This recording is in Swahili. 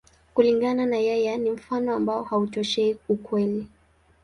Kulingana na yeye, ni mfano ambao hautoshei ukweli.